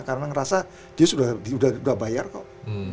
karena ngerasa dia sudah bayar kok